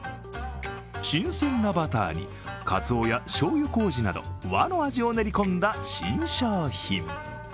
新鮮なバターにかつおやしょうゆこうじなど和の味を練り込んだ新商品。